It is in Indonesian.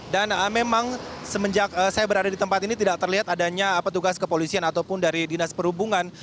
memang semenjak saya berada di tempat ini tidak terlihat adanya petugas kepolisian ataupun dari dinas perhubungan